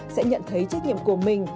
sẽ nhận thấy trách nhiệm của mình